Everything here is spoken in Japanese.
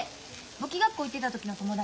簿記学校行ってた時の友達。